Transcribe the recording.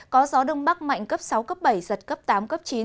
có gió đông bắc mạnh cấp sáu cấp bảy giật cấp tám cấp chín